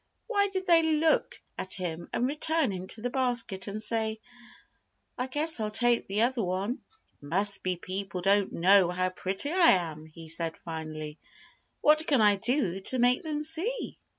Why did they look at him, and return him to the basket, and say: "I guess I'll take the other one?" "It must be people don't know how pretty I am," he said finally. "What can I do to make them see?"